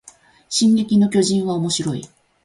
進撃の巨人はおもしろい